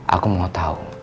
aku mau tau